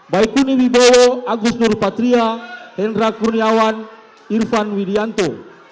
baikun iwi bowo agus nur patria hendra kurniawan irfan widianto